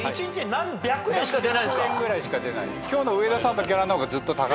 何百円ぐらいしか出ない。